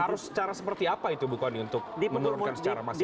harus secara seperti apa itu bu kony untuk menurunkan secara masif